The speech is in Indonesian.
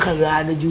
kagak ada juga